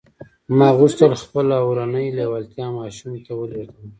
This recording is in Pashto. ما غوښتل خپله اورنۍ لېوالتیا ماشوم ته ولېږدوم